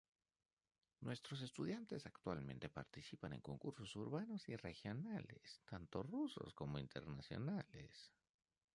Nuestros estudiantes actualmente participan en concursos urbanos y regionales, tanto rusos como internacionales.